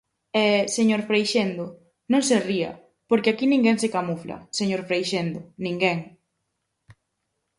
E, señor Freixendo, non se ría, porque aquí ninguén se camufla, señor Freixendo, ninguén.